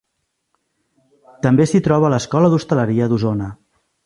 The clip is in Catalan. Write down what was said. També s'hi troba l'Escola d'Hostaleria d'Osona.